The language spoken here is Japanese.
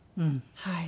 はい。